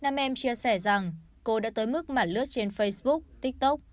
nam em chia sẻ rằng cô đã tới mức mà lướt trên facebook tiktok